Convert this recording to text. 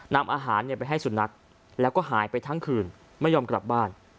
นำอาหารไปให้สุนัขแล้วก็หายไปทั้งคืนไม่ยอมกลับบ้าน